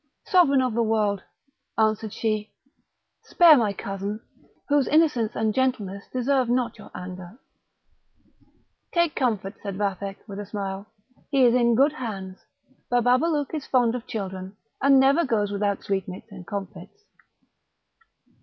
"Sovereign of the world?" answered she, "spare my cousin, whose innocence and gentleness deserve not your anger." "Take comfort," said Vathek, with a smile; "he is in good hands. Bababalouk is fond of children, and never goes without sweetmeats and comfits."